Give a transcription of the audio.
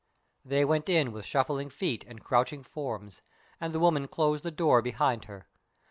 They went in with shuffling feet and crouching forms, and the woman closed the door behind her.